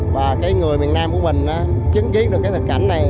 và cái người miền nam của mình chứng kiến được cái thực cảnh này